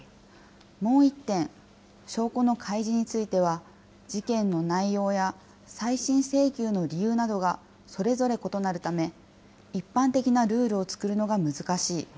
もう一点、証拠の開示については、事件の内容や再審請求の理由などがそれぞれ異なるため、一般的なルールを作るのが難しい。